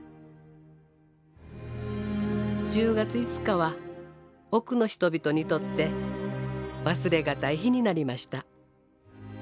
１０月５日は奥の人々にとって忘れ難い日になりました。